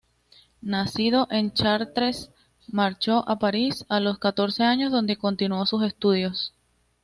Nacido en Chartres, marchó a París a los catorce años donde continuó sus estudios.